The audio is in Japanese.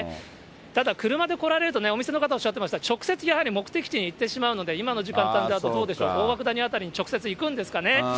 ただ、車で来られると、お店の方、おっしゃってました、直接やはり目的地に行ってしまうので、今の時間帯だと、どうでしょう、大涌谷辺りに直接行くんですかね。